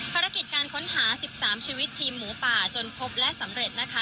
ภารกิจการค้นหา๑๓ชีวิตทีมหมูป่าจนพบและสำเร็จนะคะ